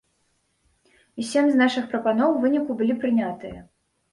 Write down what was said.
І сем з нашых прапаноў у выніку былі прынятыя.